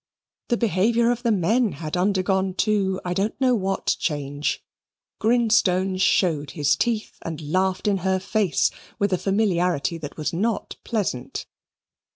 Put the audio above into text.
The behaviour of the men had undergone too I don't know what change. Grinstone showed his teeth and laughed in her face with a familiarity that was not pleasant.